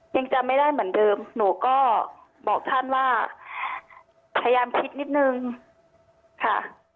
ยังจำไม่ได้เหมือนเดิมหนูก็บอกท่านว่าพยายามคิดนิดนึงค่ะ